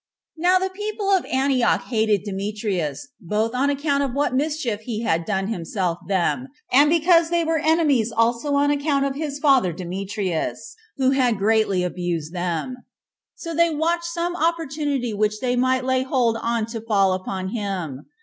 3. Now the people of Antioch hated Demetrius, both on account of what mischief he had himself done them, and because they were his enemies also on account of his father Demetrius, who had greatly abused them; so they watched some opportunity which they might lay hold on to fall upon him.